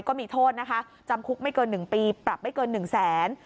ก็มีโทษนะคะจำคุกไม่เกิน๑ปีปรับไม่เกิน๑แสน